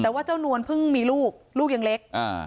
แต่ว่าเจ้านวลเพิ่งมีลูกลูกยังเล็ก